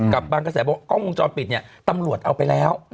กับบางกระแสบอกกล้องวงจรปิดเนี่ยตำรวจเอาไปแล้ว